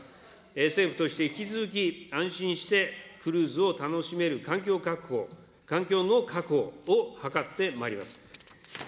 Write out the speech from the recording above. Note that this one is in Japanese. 政府として引き続き、安心してクルーズを楽しめる環境確保、環境の確保を図ってまいります。